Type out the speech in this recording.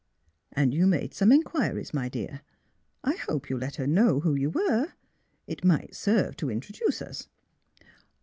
'^ And you made some inquiries, my dear? I hope you let her know who you were. It might serve to introduce us."